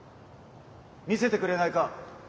・見せてくれないか。